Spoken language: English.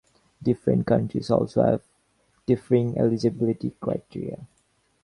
Different countries also have differing eligibility criteria.